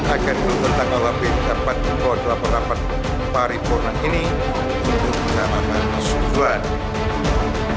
akan bertanggung jawab di depan ukuran laporan paripurna ini untuk menangkap pesudara